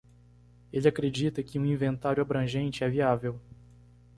Ele acredita que um inventário abrangente é viável.